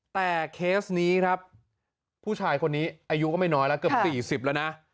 แต่เคสนี้ครับผู้ชายคนนี้อายุก็ไม่น้อยแล้วเกือบ๔๐แล้วนะ